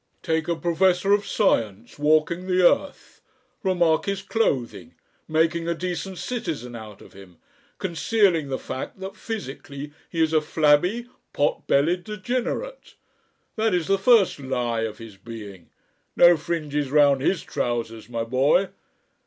Take a professor of science, walking the earth. Remark his clothing, making a decent citizen out of him, concealing the fact that physically he is a flabby, pot bellied degenerate. That is the first Lie of his being. No fringes round his trousers, my boy.